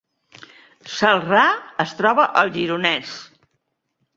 Celrà es troba al Gironès